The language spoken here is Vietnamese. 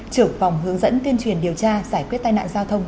trưởng phòng hướng dẫn tuyên truyền điều tra giải quyết tai nạn giao thông